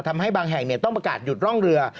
ทำให้บางแห่งต้องประกาศหยุดร่องเรือ